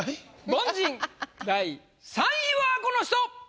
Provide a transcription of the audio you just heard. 凡人第３位はこの人！